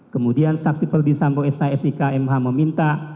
kemudian saksi perdisambo s i k m h meminta